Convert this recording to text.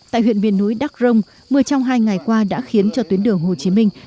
tại huyện miền núi đắc rông mưa trong hai ngày qua đã khiến cho tuyến đường hồ chí minh